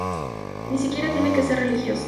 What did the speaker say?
Ni siquiera tiene que ser religioso.